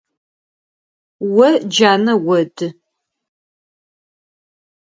О джанэ оды.